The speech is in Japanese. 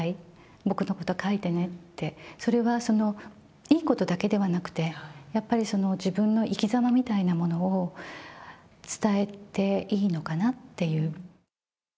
僕のこと書いてねって、それはいいことだけではなくて、やっぱり自分の生きざまみたいなものを伝えていいのかなっていう。